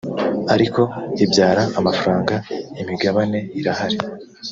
ariko ibyara amafaranga…Imigabane irahari